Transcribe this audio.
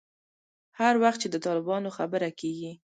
هر وخت چې د طالبانو خبره کېږي.